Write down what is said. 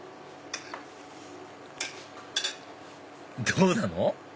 どうなの？